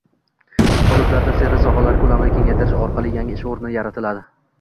Hududlarda servis sohalari ko‘lamini kengaytirish orqali yangi ish o‘rni yaratiladi.